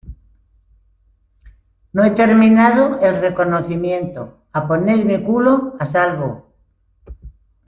no he terminado el reconocimiento. a poner mi culo a salvo .